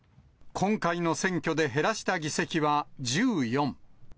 今回の選挙で減らした議席は１４。